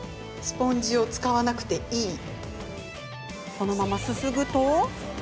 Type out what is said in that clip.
そのまま、すすぐと。